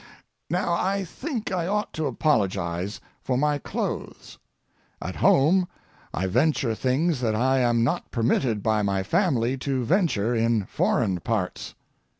Now I think I ought to apologize for my clothes. At home I venture things that I am not permitted by my family to venture in foreign parts.